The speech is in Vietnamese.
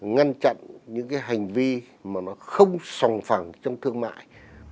ngăn chặn những cái hành vi mà nó không sòng phẳng trong thương mại